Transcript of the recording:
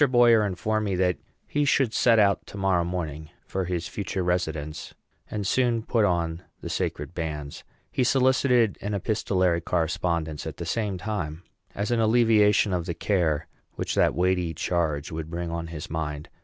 Boyer informed me that he should set out to morrow morning for his future residence, and soon put on the sacred bands. He solicited an epistolary correspondence, at the same time, as an alleviation of the care which that weighty charge would bring on his mind.